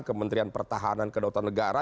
kementerian pertahanan kedotan negara